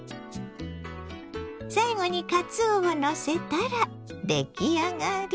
最後にかつおをのせたら出来上がり。